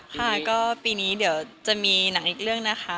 ค่ะก็ปีนี้เดี๋ยวจะมีหนังอีกเรื่องนะคะ